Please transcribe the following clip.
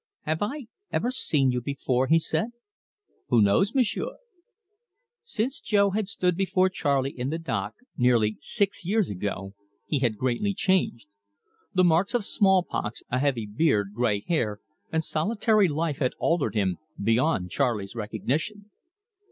"Have I ever seen you before?" he said. "Who knows, M'sieu'!" Since Jo had stood before Charley in the dock near six years ago he had greatly changed. The marks of smallpox, a heavy beard, grey hair, and solitary life had altered him beyond Charley's recognition.